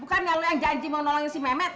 bukannya lo yang janji mau nolongin si memet